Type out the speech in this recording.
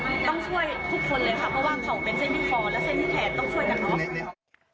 ต้องช่วยทุกคนเลยค่ะเพราะว่าเขาเป็นเส้นที่คอและเส้นที่แขนต้องช่วยกันเนอะ